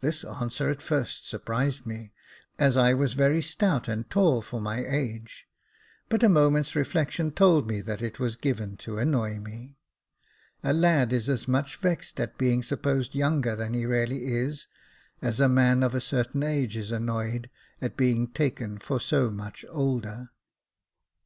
This answer at first surprised me, as I was very stout and tall for my age; but a moment's reflection told me that it was given to annoy me. A lad is as much vexed at being supposed younger than he really is as a man of a certain age is annoyed at being taken for so much older.